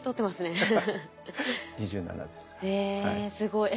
えすごい。